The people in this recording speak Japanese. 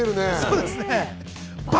そうですね。